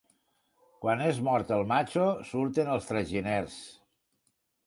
Quan és mort el matxo, surten els traginers.